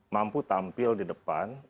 mampu tampil di depan